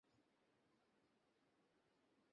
আমি তোমাকে এখান থেকে বের হতে সাহায্য করবো।